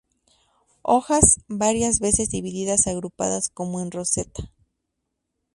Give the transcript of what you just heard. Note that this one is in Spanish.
Hojas varias veces divididas agrupadas como en roseta.